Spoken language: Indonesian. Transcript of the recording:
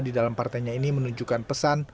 di dalam partainya ini menunjukkan pesan